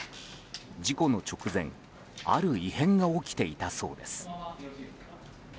事故の直前ある異変が起きていたそうです。